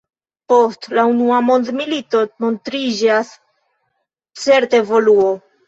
Post la unua mondmilito montriĝas certa evoluo.